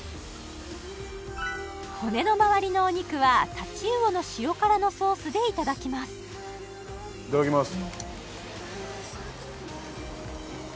骨のまわりのお肉はタチウオの塩辛のソースでいただきますいただきます